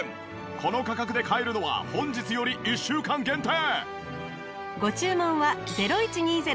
この価格で買えるのは本日より１週間限定！